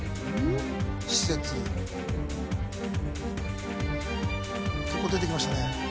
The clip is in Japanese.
施設結構出てきましたね